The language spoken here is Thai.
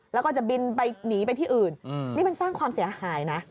แล้วก็จะบินไปหนีไปที่อื่นนี่มันสร้างความเสียหายนะ